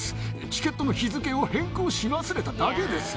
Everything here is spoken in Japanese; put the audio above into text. チケットの日付を変更し忘れただけです。